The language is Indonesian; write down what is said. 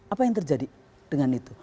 apa yang terjadi dengan itu